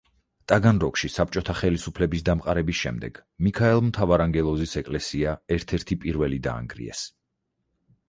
ტაგანროგში საბჭოთა ხელისუფლების დამყარების შემდეგ მიქაელ მთავარანგელოზის ეკლესია ერთ-ერთი პირველი დაანგრიეს.